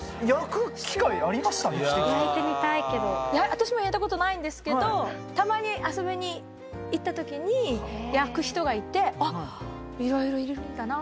私も焼いたことないんですけどたまに遊びに行った時に焼く人がいてあっいろいろいるんだなぁ。